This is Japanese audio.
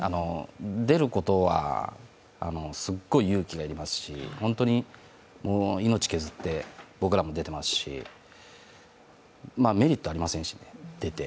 出ることはすごい勇気が要りますし本当に命を削って僕らも出てますしメリットありませんし、出て。